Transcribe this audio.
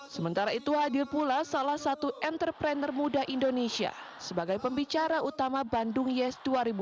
sementara itu hadir pula salah satu entrepreneur muda indonesia sebagai pembicara utama bandung yes dua ribu dua puluh